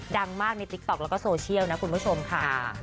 ดังมากในติ๊กต๊อกแล้วก็โซเชียลนะคุณผู้ชมค่ะ